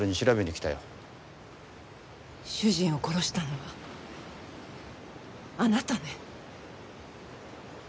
主人を殺したのはあなたね？